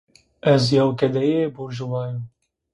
Ez yew gedeyê burjuwa yo